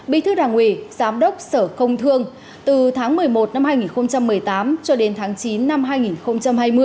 bí thư đảng ủy giám đốc sở công thương từ tháng một mươi một năm hai nghìn một mươi tám cho đến tháng chín năm hai nghìn hai mươi